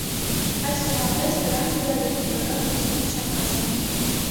Այսուհանդերձ, դրանք դիալեկտիկական ուսմունք չեն կազմել։